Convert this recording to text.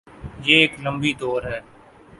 یہ ایک لمبی دوڑ ہے۔